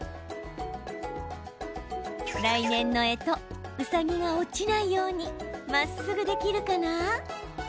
来年のえとうさぎが落ちないようにまっすぐできるかな？